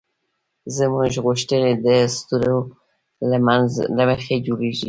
زموږ غوښتنې د اسطورو له مخې جوړېږي.